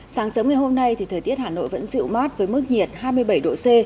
sáng sớm ngày hôm nay thì thời tiết hà nội vẫn dịu mát với mức nhiệt hai mươi bảy độ c